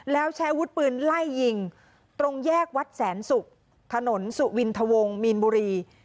แล้วใช้อาวุธปืนไล่ยิงตรงแยกวัดแสนศุกร์ถนนสุวินทวงมีนบุรี